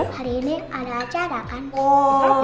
hari ini ada acara kan